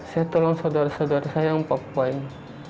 saya tolong saudara saudara saya yang papua ini